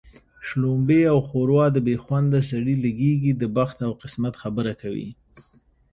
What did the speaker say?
شلومبې او ښوروا د بې خونده سړي لږېږي د بخت او قسمت خبره کوي